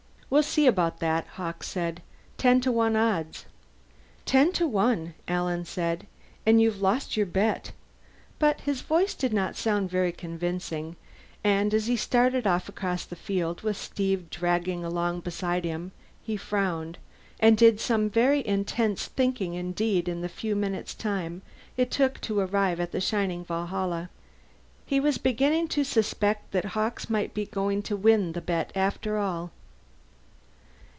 "We'll see about that," Hawkes said. "Ten to one odds." "Ten to one," Alan said. "And you've lost your bet." But his voice did not sound very convincing, and as he started off across the field with Steve dragging along beside him he frowned, and did some very intense thinking indeed in the few minutes' time it took him to arrive at the shining Valhalla. He was beginning to suspect that Hawkes might be going to win the bet after all.